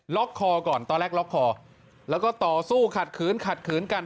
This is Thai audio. คอก่อนตอนแรกล็อกคอแล้วก็ต่อสู้ขัดขืนขัดขืนกัน